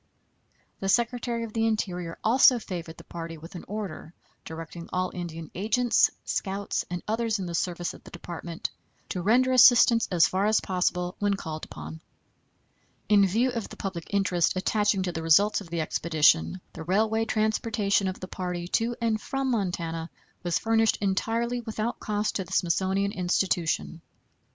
The Secretary of the Interior also favored the party with an order, directing all Indian agents, scouts, and others in the service of the Department to render assistance as far as possible when called upon. In view of the public interest attaching to the results of the expedition, the railway transportation of the party to and from Montana was furnished entirely without cost to the Smithsonian Institution.